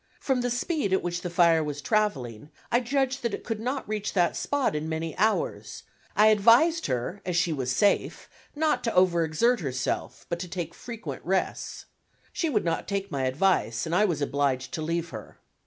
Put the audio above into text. From the speed at which the fire was traveling I judged that it could not reach that spot in many hours, I advised her, as she was safe, not to over exert herself, but to take frequent rests. She would not take my advice and I was obliged to leave her.